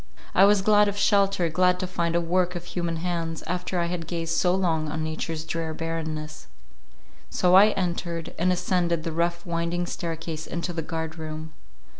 I was glad of shelter, glad to find a work of human hands, after I had gazed so long on nature's drear barrenness; so I entered, and ascended the rough winding staircase into the guard room.